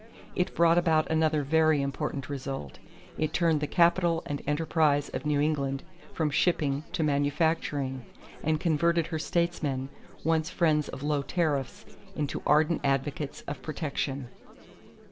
It brought about another very important result. It turned the capital and enterprise of New England from shipping to manufacturing, and converted her statesmen, once friends of low tariffs, into ardent advocates of protection.